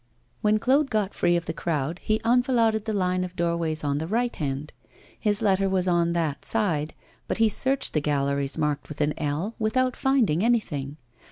When Claude got free of the crowd, he enfiladed the line of doorways on the right hand. His letter was on that side; but he searched the galleries marked with an L without finding anything.